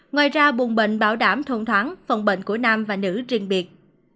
ngoài ra bùng bệnh bảo đảm thông thoáng phòng bệnh của nam và nữ riêng biệt